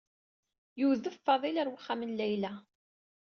Yudef Fadil ɣer uxxam n Layla.